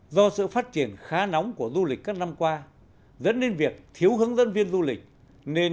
do sự phát triển khá nóng của du lịch các năm qua dẫn đến việc thiếu hướng dẫn viên du lịch nên